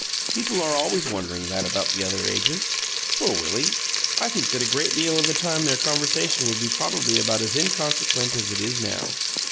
"People are always wondering that about the other ages. Poor Willie! I think that a great deal of the time their conversation would be probably about as inconsequent as it is now.